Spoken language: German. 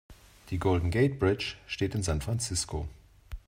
Die Golden Gate Bridge steht in San Francisco.